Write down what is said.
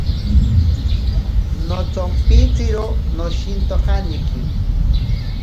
Notsompitziro noshintojaniki.